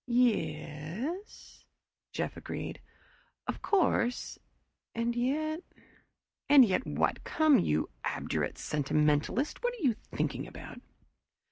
"Ye es," Jeff agreed. "Of course and yet " "And yet what! Come, you obdurate sentimentalist what are you thinking about?"